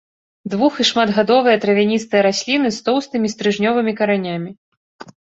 Двух- і шматгадовыя травяністыя расліны з тоўстымі стрыжнёвымі каранямі.